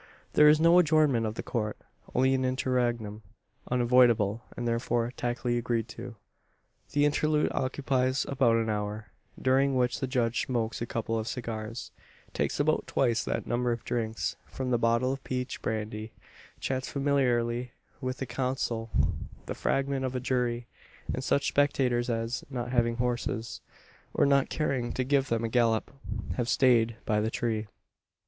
There is no adjournment of the Court only an interregnum, unavoidable, and therefore tacitly agreed to. The interlude occupies about an hour; during which the judge smokes a couple of cigars; takes about twice that number of drinks from the bottle of peach brandy; chats familiarly with the counsel, the fragment of a jury, and such spectators as, not having horses, or not caring to give them a gallop, have stayed by the tree.